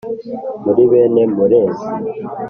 muri bene murenzi